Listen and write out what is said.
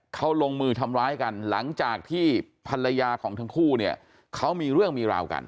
เขาลงมือทำร้ายกันหลังจากที่ภรรยาของทั้งคู่เนี่ยเขามีเรื่องมีราวกัน